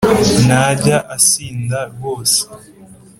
Ntajya asinda rwose